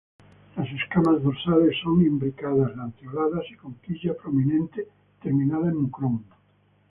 Las escamas dorsales son imbricadas, lanceoladas y con quilla prominente terminada en mucrón.